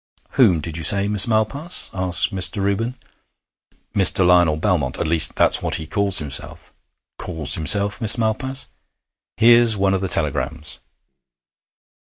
'Whom did you say, Miss Malpas?' asked Mr. Reuben. 'Mr. Lionel Belmont at least, that's what he calls himself.' 'Calls himself, Miss Malpas?' 'Here's one of the telegrams.'